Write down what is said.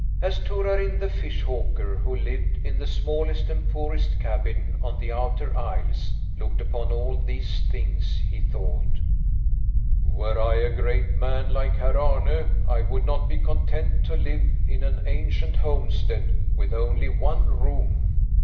As Torarin the fish hawker, who lived in the smallest and poorest cabin on the outer isles, looked upon all these things, he thought: "Were I a great man like Herr Arne I would not be content to live in an ancient homestead with only one room.